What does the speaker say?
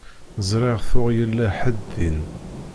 Ẓriɣ tuɣ yella ḥedd din.